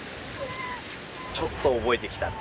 ちょっと覚えてきた。